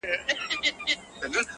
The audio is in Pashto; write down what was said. په پوهېږمه که نه د وجود ساز دی”